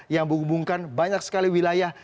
yang menghubungkan banyak sekali wilayah